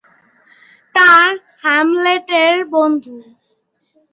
তারা হ্যামলেটের বন্ধু।